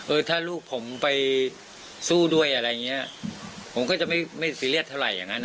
ถ้าลูกผมไปสู้ด้วยอะไรอย่างเงี้ยผมก็จะไม่ซีเรียสเท่าไหร่อย่างนั้นอ่ะ